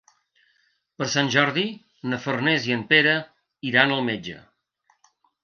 Per Sant Jordi na Farners i en Pere iran al metge.